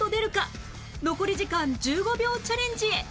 残り時間１５秒チャレンジへ